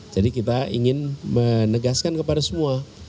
jadi kita ingin menegaskan kepada semua